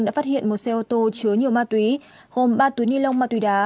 đã phát hiện một xe ô tô chứa nhiều ma túy gồm ba túi ni lông ma túy đá